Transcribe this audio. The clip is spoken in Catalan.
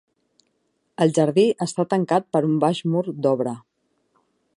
El jardí està tancat per un baix mur d'obra.